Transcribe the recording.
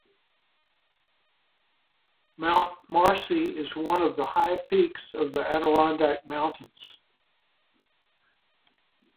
Mount Marcy is one of the High Peaks of the Adirondack Mountains.